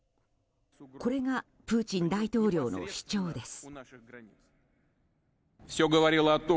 これがプーチン大統領の主張です。